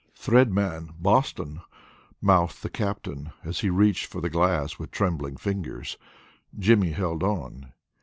"Thread man, Boston," mouthed the Captain, as he reached for the glass with trembling fingers. Jimmy held on.